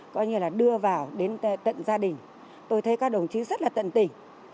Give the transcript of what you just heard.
tôi thấy là đưa vào đến tận gia đình tôi thấy các đồng chí rất là tận tình